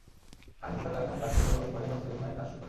আগে পোশাক কারখানায় কাজ করলেও রবিন পরে বাসে-লেগুনায় কাজ শুরু করে।